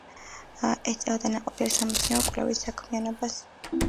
ეწეოდა ნაყოფიერ სამეცნიერო-კვლევით საქმიანობას.